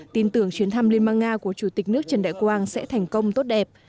tin tưởng chuyến thăm liên bang nga của chủ tịch nước trần đại quang sẽ thành công tốt đẹp